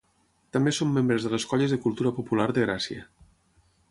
També són membres de les Colles de Cultura Popular de Gràcia.